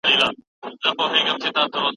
زه کولای سم ږغ واورم.